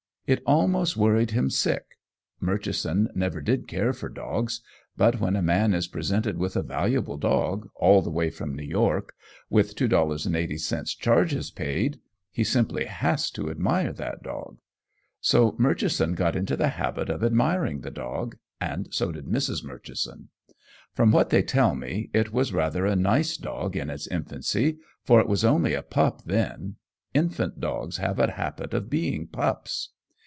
It almost worried him sick. Murchison never did care for dogs, but when a man is presented with a valuable dog, all the way from New York, with $2.80 charges paid, he simply has to admire that dog. So Murchison got into the habit of admiring the dog, and so did Mrs. Murchison. From what they tell me, it was rather a nice dog in its infancy, for it was only a pup then. Infant dogs have a habit of being pups.